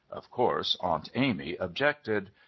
Of course Aunt Amy objected.